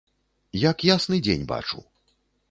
Як ясны дзень бачу.